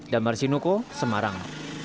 dambar sinuko semarang